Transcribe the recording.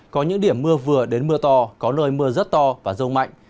có những điểm mưa vừa đến mưa to có nơi mưa rất to và rông mạnh